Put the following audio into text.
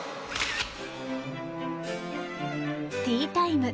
ティータイム。